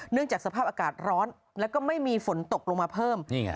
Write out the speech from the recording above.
เนื่องจากสภาพอากาศร้อนแล้วก็ไม่มีฝนตกลงมาเพิ่มนี่ไง